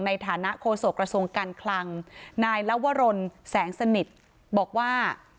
ในฐานะโฆษกระทรวงการคลังนายลวรนแสงสนิทบอกว่า